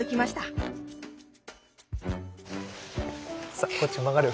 さあこっち曲がる。